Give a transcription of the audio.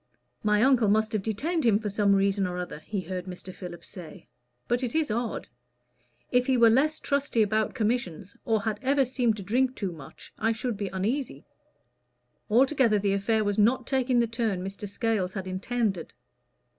"My uncle must have detained him for some reason or other," he heard Mr. Philip say; "but it is odd. If he were less trusty about commissions, or had ever seemed to drink too much, I should be uneasy." Altogether the affair was not taking the turn Mr. Scales had intended.